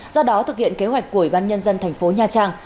do đó thực hiện kế hoạch của ủy ban nhân dân thành phố nha trang